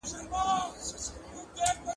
شرمښکۍ د مار سره غځېده، پر منځ دوه ځايه سوه.